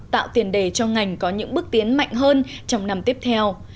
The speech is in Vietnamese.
tạo tiền đề cho ngành có những bước tiến mạnh hơn trong năm tiếp theo